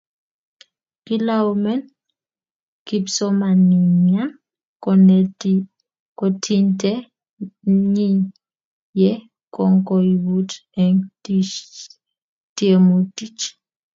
kilaumen kipsomanian konetinte nyiny ye kankoibut en tiemutich